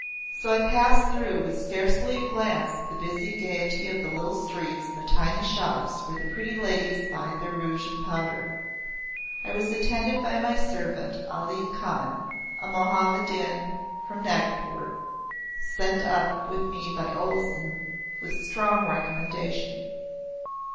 So I passed through with scarcely a glance at the busy gayety of the little streets and the tiny shops where the pretty ladies buy their rouge and powder. I was attended by my servant Ali Khan, a Mohammedan from Nagpur, sent up with me by Olesen with strong recommendation.